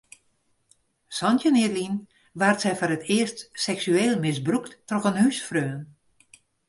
Santjin jier lyn waard sy foar it earst seksueel misbrûkt troch in húsfreon.